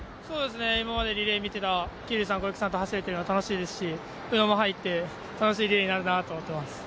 今までリレー見てた桐生さん、小池さんと走れるのは楽しいですし宇野も入って楽しいリレーになるなと思っています。